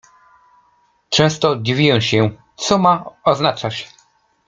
"Często dziwiłem się, co ma oznaczać."